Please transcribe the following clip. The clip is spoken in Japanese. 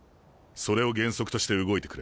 それを原則として動いてくれ。